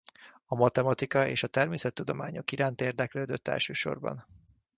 A matematika és a természettudományok iránt érdeklődött elsősorban.